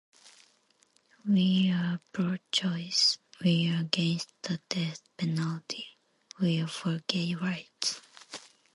We are pro-choice; we're against the death penalty; we're for gay rights.